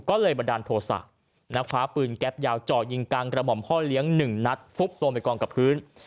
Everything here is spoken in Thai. ก็เลยมาดันโทษศักดิ์นักฟ้าปืนแก๊บยาวจอดยิงกลางกระหม่อมพ่อเลี้ยง๑นัทตรงไปกล่องกับพื้น